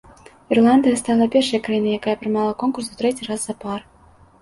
Ірландыя стала першай краінай, якая прымала конкурс у трэці раз запар.